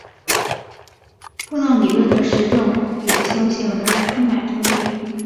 波浪理论的实证有效性仍然充满争议。